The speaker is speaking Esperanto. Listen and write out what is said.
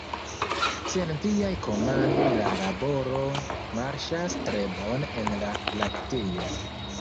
Sen viaj komandoj la laboro marŝas tre bone en la laktejo.